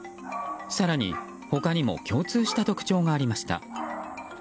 更に他にも共通した特徴がありました。